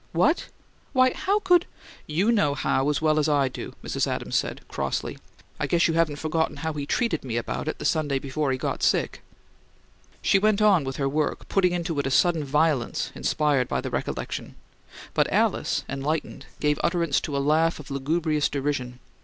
"What! Why, how could " "You know how as well as I do," Mrs. Adams said, crossly. "I guess you haven't forgotten how he treated me about it the Sunday before he got sick." She went on with her work, putting into it a sudden violence inspired by the recollection; but Alice, enlightened, gave utterance to a laugh of lugubrious derision.